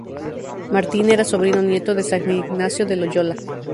Martín era sobrino-nieto de San Ignacio de Loyola.